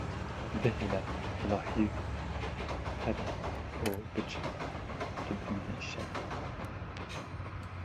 Bihêle bila hîv here, tu bimîne îşev.